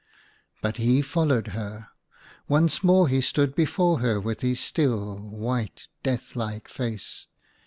But he followed her. Once more he stood before her with his still, white, death like face.